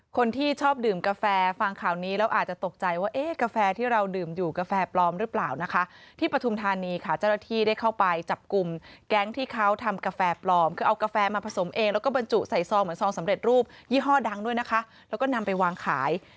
คนที่ชอบดื่มกาแฟฟังข่าวนี้แล้วอาจจะตกใจว่าเอ๊ะกาแฟที่เราดื่มอยู่กาแฟปลอมหรือเปล่านะคะที่ปฐุมธานีค่ะเจ้าหน้าที่ได้เข้าไปจับกลุ่มแก๊งที่เขาทำกาแฟปลอมคือเอากาแฟมาผสมเองแล้วก็บรรจุใส่ซองเหมือนซองสำเร็จรูปยี่ห้อดังด้วยนะคะแล้วก็นำไปวางขาย